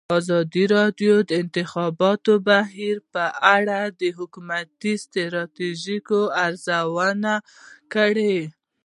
ازادي راډیو د د انتخاباتو بهیر په اړه د حکومتي ستراتیژۍ ارزونه کړې.